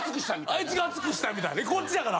あいつが熱くしたみたいな。こっちやから。